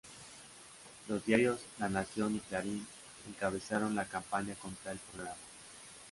Los diarios La Nación y Clarín encabezaron la campaña contra el programa.